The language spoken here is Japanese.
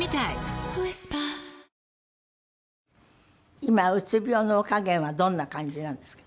今うつ病のお加減はどんな感じなんですか？